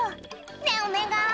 「ねぇお願い！